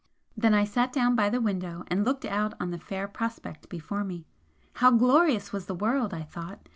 Then I sat down by the window and looked out on the fair prospect before me. How glorious was the world, I thought!